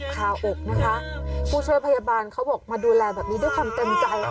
แต่อยู่มาวันหนึ่งมีอยู่เรื่องหนึ่งเรื่องที่หลายคนเห็นแล้วมันก็ไม่สบายใจ